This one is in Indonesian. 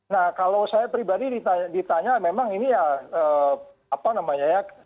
nah kalau saya pribadi ditanya memang ini ya apa namanya ya